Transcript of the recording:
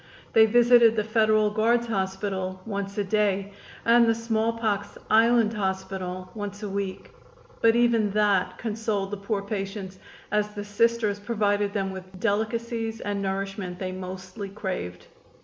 They visited the Federal Guards Hospital once a day and the smallpox island hospital once a week, but even that consoled the poor patients, as the Sisters provided them with delicacies and nourishment they mostly craved.